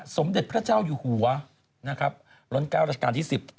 สมเด็จพระเจ้าอยู่หัวล้นเก้ารัชกาลที่๑๐